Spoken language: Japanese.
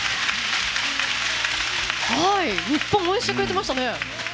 日本応援してくれてましたね。